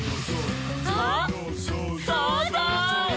「あっそうぞう！」